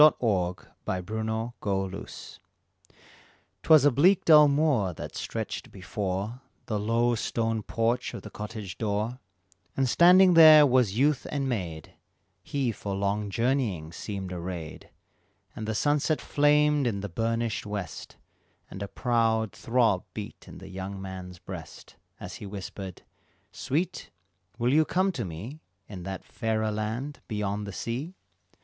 THE FAIREST LAND. 'Twas a bleak dull moor that stretched before The low stone porch of the cottage door, And standing there was youth and maid, He for long journeying seemed arrayed, And the sunset flamed in the burnished west, And a proud throb beat in the young man's breast, As he whispered, "Sweet, will you come to me In that fairer land beyond the sea?"